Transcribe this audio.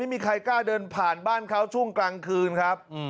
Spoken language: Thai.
ไม่มีใครกล้าเดินผ่านบ้านเขาช่วงกลางคืนครับ